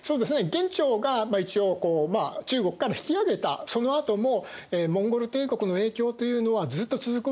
元朝が一応中国から引き上げたそのあともモンゴル帝国の影響というのはずっと続くわけですね。